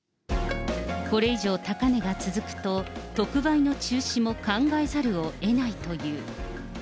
これ以上高値が続くと、特売の中止も考えざるをえないという。